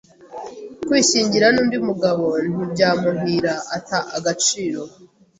kwishyingira n’undi mugabo ntibyamuhira ata agaciro